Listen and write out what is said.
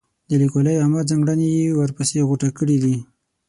د لیکوالۍ عامې ځانګړنې یې ورپسې غوټه کړي دي.